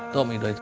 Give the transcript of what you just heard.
itu om idoi